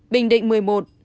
bình định một mươi một